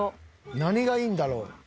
何がいいんだろう？